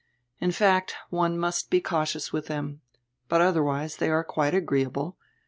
In fact, one must he cautious with them. But otherwise they are quite agreeahle.